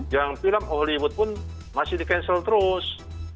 yang film hollywood pun masih di cancel terus